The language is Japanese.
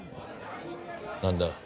何だ？